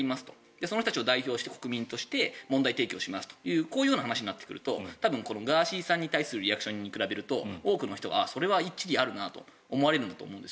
その人たちを代表して国民として問題提起をしますという話になってくるとガーシーさんに対するリアクションから見ると多くの人は一理あるなと思うと思うんです。